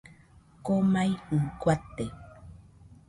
Komaijɨ guate